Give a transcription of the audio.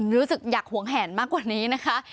รู้สึกอยากหวงแหนมากกว่านี้นะคะ